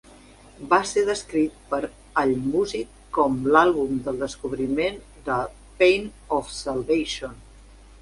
Va ser descrit per Allmusic com l'àlbum del descobriment de Pain of Salvation.